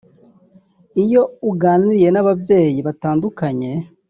Iyo uganiriye n’ababyeyi batandukanye